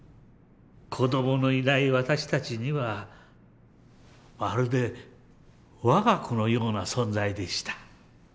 子どものいない私たちにはまるで我が子のような存在でした。